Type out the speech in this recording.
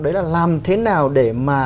đấy là làm thế nào để mà